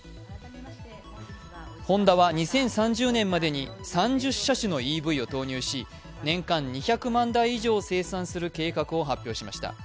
ホンダは２０３０年までに３０車種のＥＶを投入し年間２００万台以上を生産する計画を発表しました。